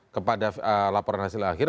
kepada laporan hasil akhir